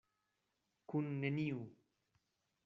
Kun neniu.